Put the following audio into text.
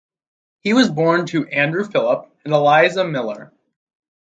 He was born to Andrew Philp and Eliza Miller.